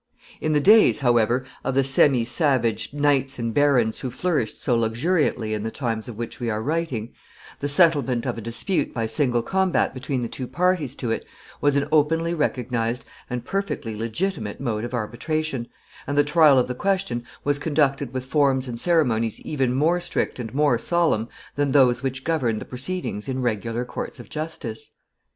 ] In the days, however, of the semi savage knights and barons who flourished so luxuriantly in the times of which we are writing, the settlement of a dispute by single combat between the two parties to it was an openly recognized and perfectly legitimate mode of arbitration, and the trial of the question was conducted with forms and ceremonies even more strict and more solemn than those which governed the proceedings in regular courts of justice.